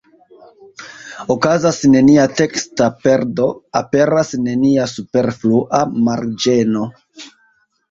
Okazas nenia teksta perdo, aperas nenia superflua marĝeno.